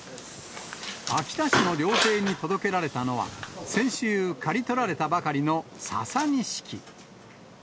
秋田市の料亭に届けられたのは、先週、刈り取られたばかりのササニシキ。